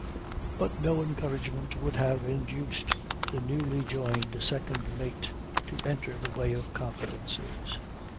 But no encouragement would have induced the newly joined second mate to enter the way of confidences.